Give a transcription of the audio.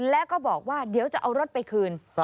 แล้วก็บอกว่าเดี๋ยวจะเอารถไปคืน